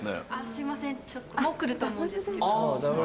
すいませんもう来ると思うんですけど。